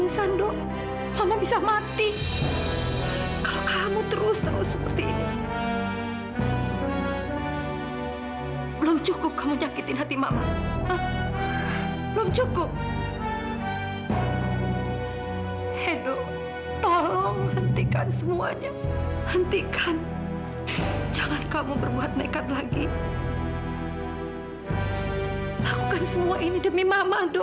sampai jumpa di video selanjutnya